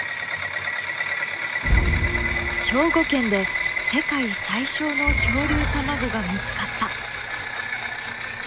兵庫県で世界最小の恐竜卵が見つかった！